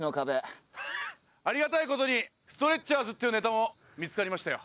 ありがたい事にストレッチャーズっていうネタも見つかりましたよ。